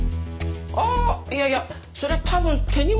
ああいやいやそれは多分手荷物だね。